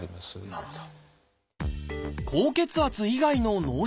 なるほど。